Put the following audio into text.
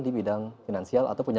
di bidang finansial atau punya